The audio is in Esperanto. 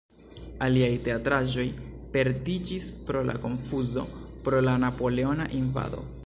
Aliaj teatraĵoj perdiĝis pro la konfuzo pro la napoleona invado.